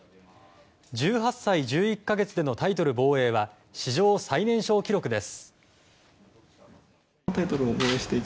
１８歳１１か月でのタイトル防衛は史上最年少記録です。